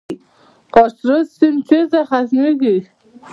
خاشرود سیند چیرته ختمیږي؟